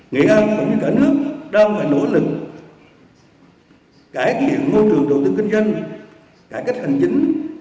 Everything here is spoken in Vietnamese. nghệ an cũng như cả nước đang và nỗ lực cải thiện môi trường đầu tư kinh doanh cải cách hành chính